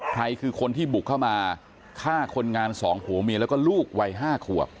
ใครคือคนที่บุกเข้ามาฆ่าคนงานสองผัวเมียแล้วก็ลูกวัย๕ขวบ